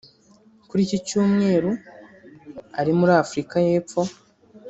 Kuri iki cyumweru ari muri Afurika y’Epfo